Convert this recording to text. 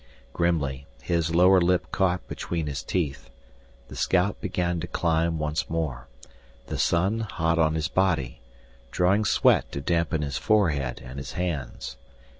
Grimly, his lower lip caught between his teeth, the scout began to climb once more, the sun hot on his body, drawing sweat to dampen his forehead and his hands.